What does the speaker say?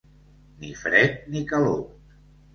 Ni fred ni calor.